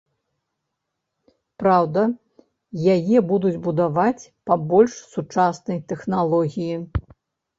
Праўда, яе будуць будаваць па больш сучаснай тэхналогіі.